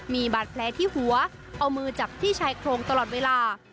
มีบาดแผลที่หัวเอามือจับที่ชายโครงตลอดเวลา